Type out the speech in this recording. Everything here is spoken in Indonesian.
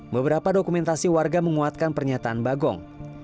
beberapa dokumentasi warga menguatkan pernyataan bagong